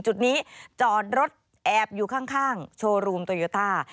จุดนี้จอดรถแอบอยู่ข้างโชว์รูมโตโยต้า